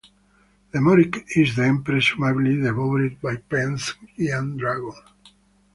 The Moric is then presumably devoured by Pen's giant dragon.